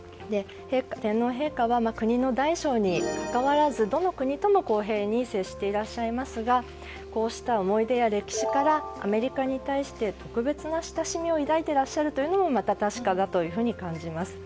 天皇陛下は国の大小にかかわらずどの国とも公平に接していらっしゃいますがこうした思い出や歴史からアメリカに対して特別な親しみを抱いてらっしゃるというのもまた確かだと感じます。